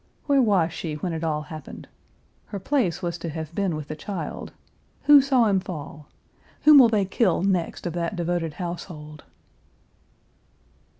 Where was she when it all happened? Her place was to have been with the child. Who saw him fall? Whom will they kill next of that devoted household?